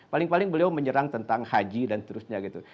paling paling beliau menyerang tentang haji dan seterusnya gitu